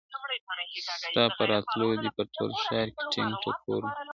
ستا په راتلو دې په ټول ښار کي ټنگ ټکور جوړ سي,